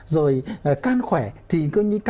rồi can khỏe thì cơ nhục